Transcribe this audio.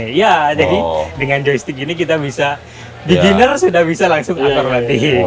iya jadi dengan joystic ini kita bisa beginner sudah bisa langsung antar matiin